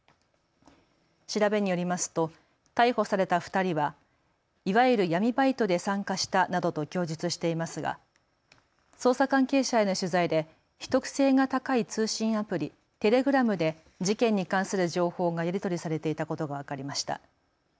調べによりますと逮捕された２人はいわゆる闇バイトで参加したなどと供述していますが捜査関係者への取材で秘匿性が高い通信アプリ、テレグラムで事件に関する情報がやり取りされていたことが分かりました。